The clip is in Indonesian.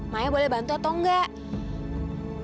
maya boleh bantu atau enggak